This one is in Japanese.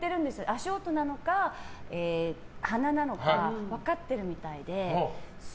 足音なのか、鼻なのか分かっているみたいで。